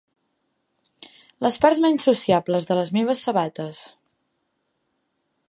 Les parts menys sociables de les meves sabates.